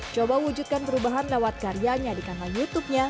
coba wujudkan perubahan lewat karyanya di kanal youtubenya